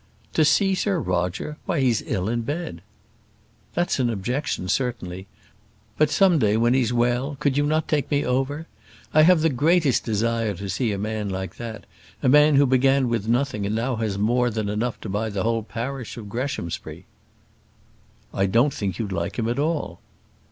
"To see Sir Roger! Why, he's ill in bed." "That's an objection, certainly; but some day, when he's well, could not you take me over? I have the greatest desire to see a man like that; a man who began with nothing and now has more than enough to buy the whole parish of Greshamsbury." "I don't think you'd like him at all."